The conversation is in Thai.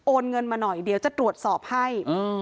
เงินมาหน่อยเดี๋ยวจะตรวจสอบให้